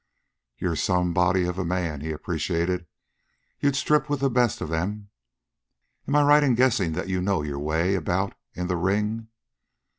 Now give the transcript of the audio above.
"You're some body of a man," he appreciated. "You'd strip with the best of them. Am I right in guessing that you know your way about in the ring?"